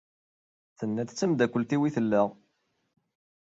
Tenna-d d tamdakelt-iw i tella.